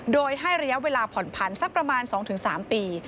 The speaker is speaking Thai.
โดยให้ระยะเวลาผ่อนผันสักประมาณ๒๓ปี